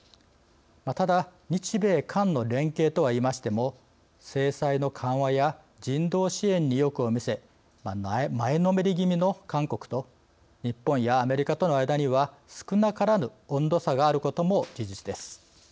ただ日米韓の連携とは言いましても制裁の緩和や人道支援に意欲を見せ前のめり気味の韓国と日本やアメリカとの間には少なからぬ温度差があることも事実です。